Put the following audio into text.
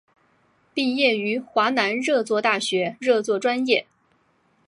毕业于华南热作大学热作专业。